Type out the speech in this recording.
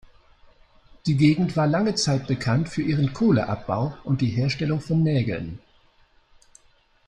Die Gegend war lange Zeit bekannt für ihren Kohleabbau und die Herstellung von Nägeln.